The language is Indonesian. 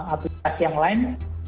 aplikasi yang lain